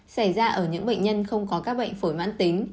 xảy ra ở những bệnh nhân không có các bệnh phổi mãn tính